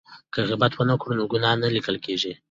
که غیبت ونه کړو نو ګناه نه لیکل کیږي.